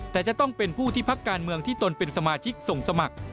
แต่จะต้องเป็นผู้ที่พักการเมืองที่ตนเป็นสมาชิกส่งสมัคร